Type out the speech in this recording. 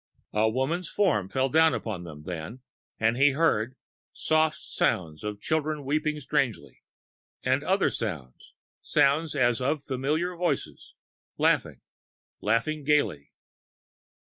A woman's form fell down upon them then, and ... he heard ... soft sounds of children weeping strangely ... and other sounds ... sounds as of familiar voices ... laughing ... laughing gaily.